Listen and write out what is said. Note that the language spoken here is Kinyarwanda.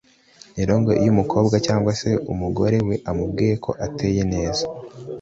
rero ngo iyo umukobwa cyangwa se umugore we amubwiye ko ateye neza